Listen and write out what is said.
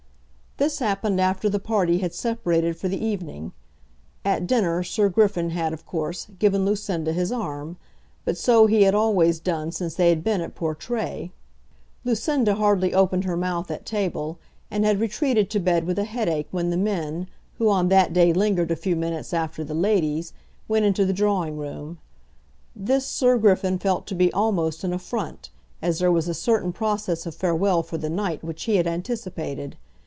This happened after the party had separated for the evening. At dinner Sir Griffin had, of course, given Lucinda his arm; but so he had always done since they had been at Portray. Lucinda hardly opened her mouth at table, and had retreated to bed with a headache when the men, who on that day lingered a few minutes after the ladies, went into the drawing room. This Sir Griffin felt to be almost an affront, as there was a certain process of farewell for the night which he had anticipated.